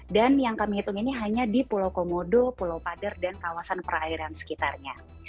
dan yang kami hitung ini hanya di pulau komodo pulau pader dan kawasan perairan sekitarnya